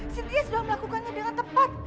sendiri sudah melakukannya dengan tepat